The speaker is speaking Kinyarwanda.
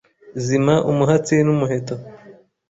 Zima umuhatsi n'umuheto